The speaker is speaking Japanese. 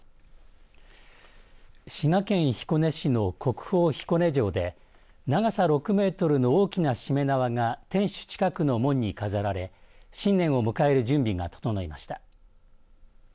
滋賀県彦根市の国宝・彦根城で長さ６メートルの大きなしめ縄が天守近くの門に飾られ新年を迎える準備が整いました。